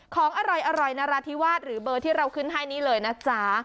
ของอร่อยนราธิวาสหรือเบอร์ที่เราขึ้นให้นี่เลยนะจ๊ะ